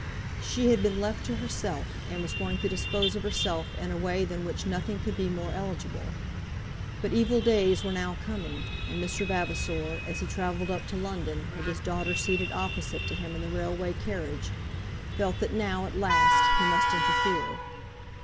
She had been left to herself, and was going to dispose of herself in a way than which nothing could be more eligible. But evil days were now coming, and Mr. Vavasor, as he travelled up to London, with his daughter seated opposite to him in the railway carriage, felt that now, at last, he must interfere.